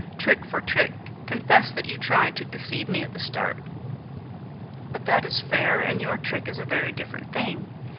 "Trick for trick; confess that you tried to deceive me at the start." "But that is fair, and your trick is a very different thing."